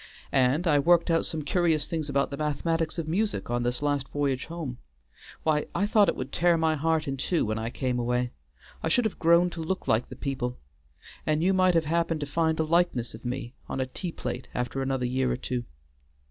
and I worked out some curious things about the mathematics of music on this last voyage home! Why, I thought it would tear my heart in two when I came away. I should have grown to look like the people, and you might have happened to find a likeness of me on a tea plate after another year or two.